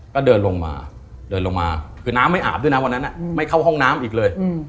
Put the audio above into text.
ก็เดินลงมาเดินลงมาคือน้ำไม่อาบด้วยนะวันนั้นไม่เข้าห้องน้ำอีกเลย